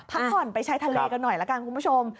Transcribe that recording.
พักผ่อนไปใช้ทะเลกันหน่อยละกันคุณผู้ชม